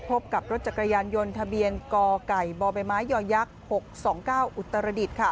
พบกับรถจักรยานยนต์ทะเบียนกไก่บใบไม้ยอยักษ์๖๒๙อุตรดิษฐ์ค่ะ